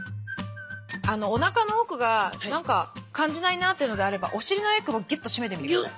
おなかの奥が何か感じないなというのであればお尻のえくぼギュッと締めてみて下さい。